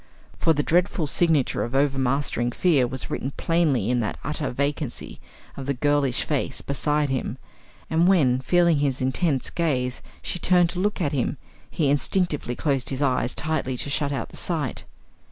For the dreadful signature of overmastering fear was written plainly in that utter vacancy of the girlish face beside him; and when, feeling his intense gaze, she turned to look at him, he instinctively closed his eyes tightly to shut out the sight.